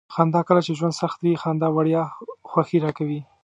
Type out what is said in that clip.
خندا: کله چې ژوند سخت وي. خندا وړیا خوښي راکوي.